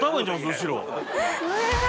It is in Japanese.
後ろ。